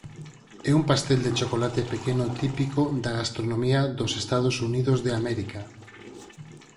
É un pastel de chocolate pequeno típico da gastronomía dos Estados Unidos de América.